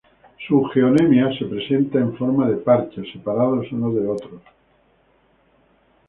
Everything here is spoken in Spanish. Su geonemia se presenta en forma de parches, separados unos de otros.